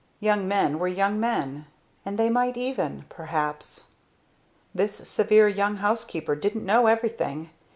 Young men were young men and they might even perhaps! This severe young housekeeper didn't know everything.